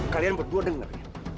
kalian berdua dengar ya